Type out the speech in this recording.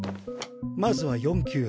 まずは４級。